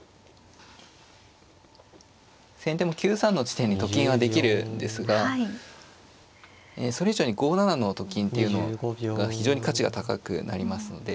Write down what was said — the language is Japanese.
先手も９三の地点にと金はできるんですがそれ以上に５七のと金っていうのが非常に価値が高くなりますので。